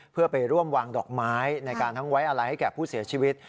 เพื่อไปร่วมวางดอกไม้ในการทั้งไว้อะไรให้แก่ผู้เสียชีวิต